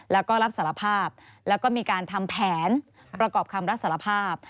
แล้วก็รับสารภาพแล้วก็มีการทำแผนประกอบคำรับสารภาพ